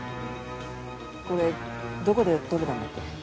これどこで録れたんだっけ？